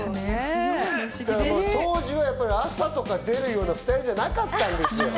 当時は朝とか出るような２人じゃなかったんですよ。